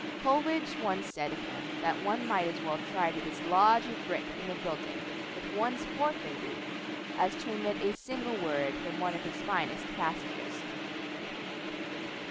Coleridge once said of him that one might as well try to dislodge a brick from a building with one's forefinger as to omit a single word from one of his finest passages.